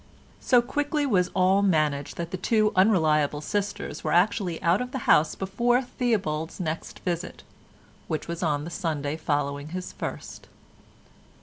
So quickly was all managed that the two unreliable sisters were actually out of the house before Theobald's next visit—which was on the Sunday following his first.